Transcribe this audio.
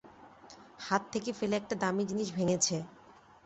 হাত থেকে ফেলে একটা দামি জিনিস ভেঙেছে।